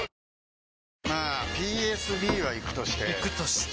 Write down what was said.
まあＰＳＢはイクとしてイクとして？